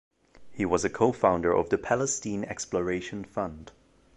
He was a co-founder of the Palestine Exploration Fund.